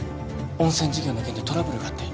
温泉事業の件でトラブルがあって。